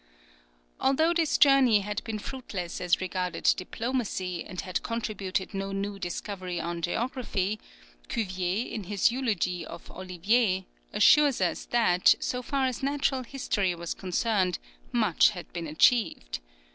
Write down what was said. Although this journey had been fruitless as regarded diplomacy, and had contributed no new discovery to geography, Cuvier, in his eulogy of Olivier, assures us that, so far as natural history was concerned, much had been achieved.